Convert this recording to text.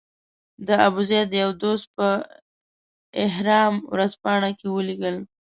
د ابوزید یو دوست په الاهرام ورځپاڼه کې ولیکل.